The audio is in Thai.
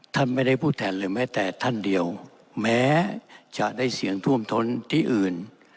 ท่านไม่ได้พูดแทนเลยแม้แต่ท่านเดียวแม้จะได้เสียงท่วมท้นที่อื่น